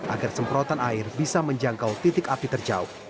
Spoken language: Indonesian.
agar semprotan air bisa menjangkau titik api terjauh